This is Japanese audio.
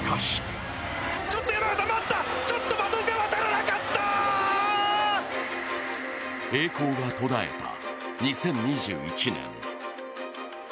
しかし栄光が途絶えた、２０２１年。